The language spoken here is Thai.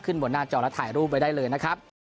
บนหน้าจอแล้วถ่ายรูปไว้ได้เลยนะครับ